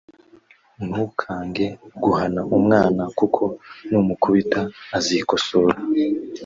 ntukange guhana umwana kuko numukubita azikosora